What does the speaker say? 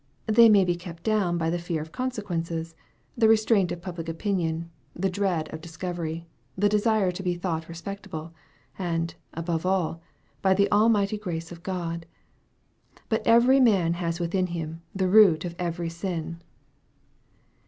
They may be kept down by the fear of consequences the restraint of public opinion the dread of discovery the desire to be thought respectable and, above all, by the almighty grace of God. But every man has within him the root of every sin.